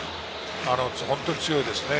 本当に強いですね。